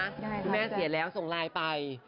คุณแม่เสียแล้วส่งไลน์ไป